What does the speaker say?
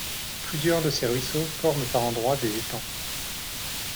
Plusieurs de ces ruisseaux forment par endroits des étangs.